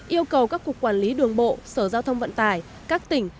yêu cầu các cục quản lý đường bộ sở giao thông vận tải các tỉnh